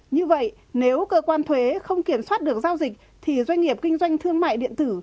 như vậy nếu cơ quan thuế không kiểm soát được giao dịch thì doanh nghiệp kinh doanh thương mại điện tử